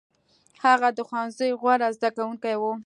هغه د ښوونځي غوره زده کوونکی و.